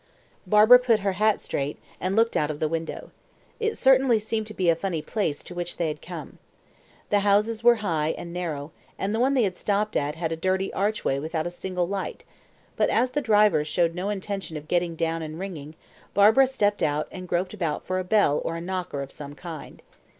Barbara put her hat straight and looked out of the window. It certainly seemed to be a funny place to which they had come. The houses were high and narrow, and the one they had stopped at had a dirty archway without a single light; but, as the driver showed no intention of getting down and ringing, Barbara stepped out and groped about for a bell or a knocker of some kind.